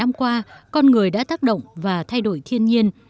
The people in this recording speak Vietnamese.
năm qua con người đã tác động và thay đổi thiên nhiên